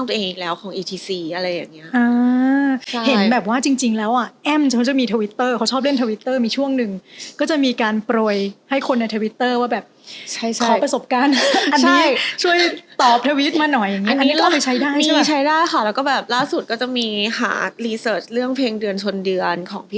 แต่เขาก็อย่างนี้นะเว้ยอืม